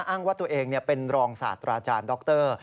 อ้างว่าตัวเองเนี่ยเป็นรองสาธารณ์ดร